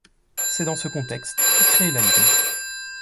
C'est dans ce contexte qu'est créée la Ligue.